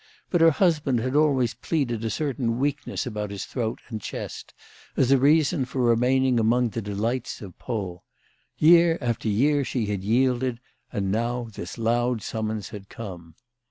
But her husband had always pleaded a certain weakness about his throat and chest as a reason for remaining among the delights of Pau. Year after year she had yielded, and now this loud summons had come.